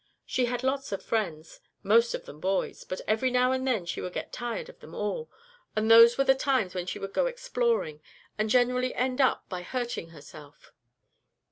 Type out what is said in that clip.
She had lots of friends, most of them boys, but every now and then she would get tired of them all; and those were the times when she would go exploring and generally end up by hurting herself.